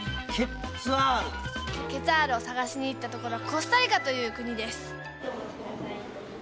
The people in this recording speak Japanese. ケツァールを探しに行ったところはコスタリカという国です。